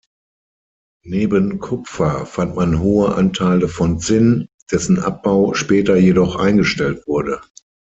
Neben Kupfer fand man hohe Anteile von Zinn, dessen Abbau später jedoch eingestellt wurde.